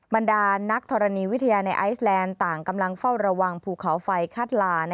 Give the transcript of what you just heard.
บรรดานักธรณีวิทยาในไอซแลนด์ต่างกำลังเฝ้าระวังภูเขาไฟคาดลา